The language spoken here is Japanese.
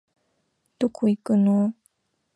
どこ行くのお